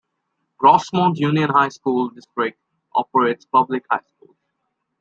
Grossmont Union High School District operates public high schools.